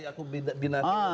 jadi aku binatang